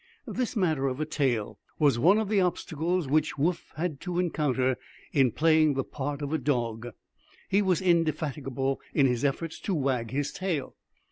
This matter of a tail was one of the obstacles which Woof had to encounter in playing the part of a dog. He was indefatigable in his efforts to wag his tail.